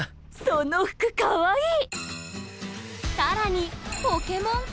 その服かわいい！